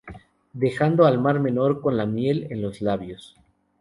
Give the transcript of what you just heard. Dejando al Mar Menor con la miel en los labios.